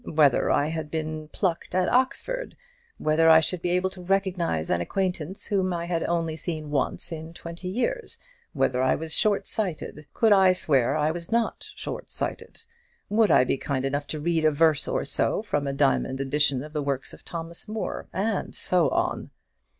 whether I had been plucked at Oxford? whether I should be able to recognize an acquaintance whom I had only seen once in twenty years? whether I was short sighted? could I swear I was not short sighted? would I be kind enough to read a verse or so from a diamond edition of the works of Thomas Moore? and so on.